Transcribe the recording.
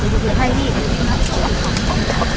ภาษาสนิทยาลัยสุดท้าย